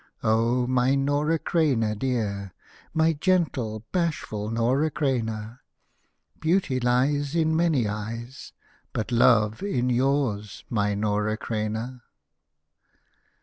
Oh, my Nora Creina, dear, My gentle, bashful Nora Creina, Beauty lies In many eyes, But Love in yours, my Nora Creina.